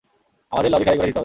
আমাদের লবি খালি করে দিতে হবে।